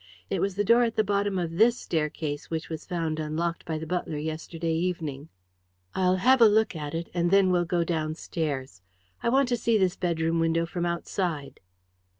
It was the door at the bottom of this staircase which was found unlocked by the butler yesterday evening." "I'll have a look at it, and then we'll go downstairs. I want to see this bedroom window from outside."